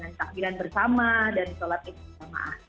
dan takbilan bersama dan shalatin bersama